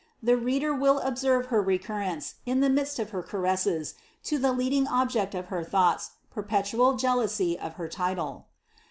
The reader will observe her recurrence, in the midst of her caresses, to the leading object of her thoughts, perpetual jealousy of her title.